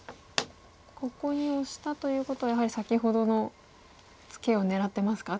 ここにオシたということはやはり先ほどのツケを狙ってますか？